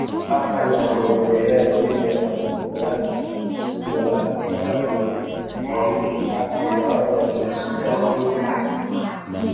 Hassan akaendelea Zile hadithi za Husna na Faridi Hapo Zawadi alishika mita